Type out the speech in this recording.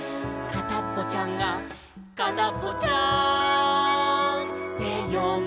「かたっぽちゃんとかたっぽちゃん